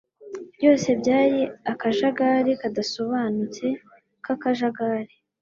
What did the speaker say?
Byose byari akajagari kadasobanutse kakajagari